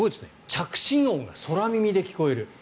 着信音が空耳で聞こえる。